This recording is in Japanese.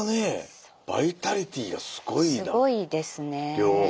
両方。